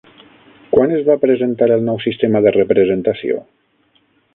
Quan es va presentar el nou sistema de representació?